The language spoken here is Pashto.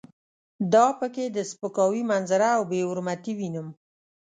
دا په کې د سپکاوي منظره او بې حرمتي وینم.